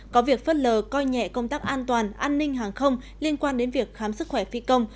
có việc phất lờ coi nhẹ công tác an toàn an ninh hàng không liên quan đến việc khám sức khỏe phi công